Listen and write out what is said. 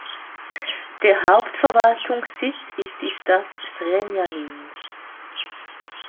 Der Hauptverwaltungssitz ist die Stadt Zrenjanin.